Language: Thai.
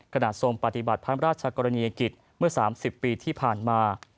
ทรงปฏิบัติพระราชกรณียกิจเมื่อ๓๐ปีที่ผ่านมา